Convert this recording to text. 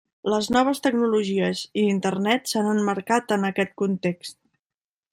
Les noves tecnologies i Internet s'han emmarcat en aquest context.